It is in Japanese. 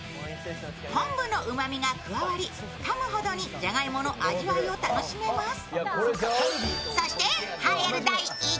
昆布のうまみが加わり、かむほどにじゃがいもの味わいを楽しめます。